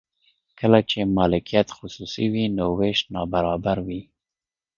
کله چې مالکیت خصوصي وي نو ویش نابرابر وي.